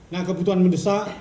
nah kebutuhan mendesak